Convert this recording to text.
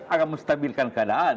akan menstabilkan keadaan